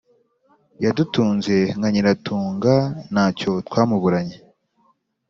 Yadutunze nka Nyiratunga, ntacyo twamuburanye